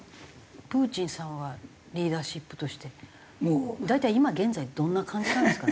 プーチンさんはリーダーシップとして大体今現在どんな感じなんですかね？